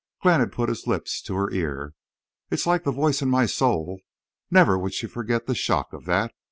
Glenn had put his lips to her ear: "It's like the voice in my soul!" Never would she forget the shock of that.